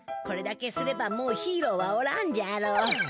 これだけすればもうヒーローはおらんじゃろう。